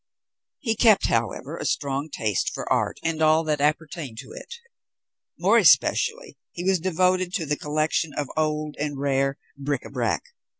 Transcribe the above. He kept, however, a strong taste for art and all that appertained to it; more especially he was devoted to the collection of old and rare bric à brac.